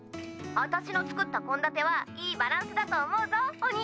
あたしの作った献立はいいバランスだと思うぞお兄さん！